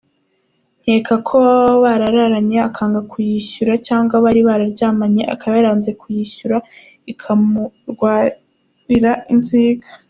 nkeka ko baba bararanye akanga kuyishyura cyangwa bari bararyamanye akaba yaranze kuyishyura ikamurwarira inzika.